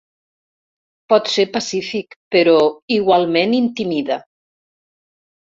Pot ser pacífic, però igualment intimida.